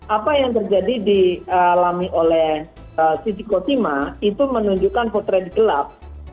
apa yang terjadi dialami oleh siti kotima itu menunjukkan potret gelap